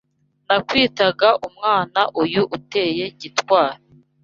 Nakwitaga Umwana Uyu uteye gitwali